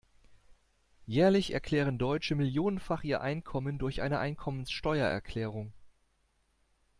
Jährlich erklären Deutsche millionenfach ihr Einkommen durch eine Einkommensteuererklärung.